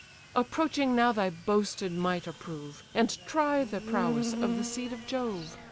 Approaching now thy boasted might approve, And try the prowess of the seed of Jove.